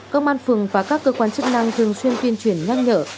các man phường và các cơ quan chức năng thường xuyên tuyên truyền nhanh nhở